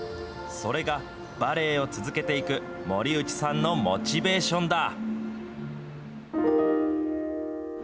それがバレエを続けていく森内さんのモチベーションだ。